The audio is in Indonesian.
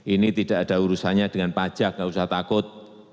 ini tidak ada urusannya dengan pajak nggak usah takut